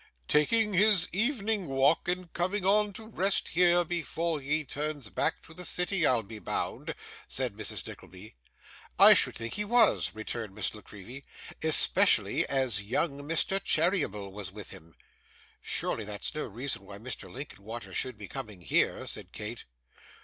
'Taking his evening walk, and coming on to rest here, before he turns back to the city, I'll be bound!' said Mrs. Nickleby. 'I should think he was,' returned Miss La Creevy; 'especially as young Mr. Cheeryble was with him.' 'Surely that is no reason why Mr. Linkinwater should be coming here,' said Kate.